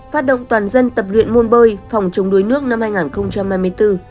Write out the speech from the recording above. phát động toàn dân tập luyện môn bơi phòng chống đuối nước năm hai nghìn hai mươi bốn